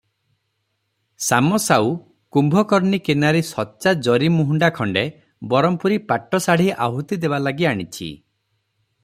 ଶାମ ସାଉ କୁମ୍ଭକର୍ଣ୍ଣୀ କିନାରି ସଚ୍ଚା ଜରିମୂହୁଣ୍ଡା ଖଣ୍ଡେ ବରମପୂରୀ ପାଟ ଶାଢ଼ୀ ଆହୁତି ଦେବାଲାଗି ଆଣିଛି ।